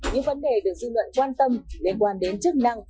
những vấn đề được dư luận quan tâm liên quan đến chức năng